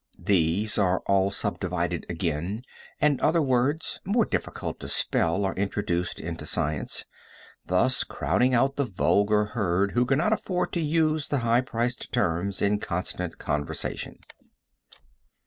These are all subdivided again, and other words more difficult to spell are introduced into science, thus crowding out the vulgar herd who cannot afford to use the high priced terms in constant conversation.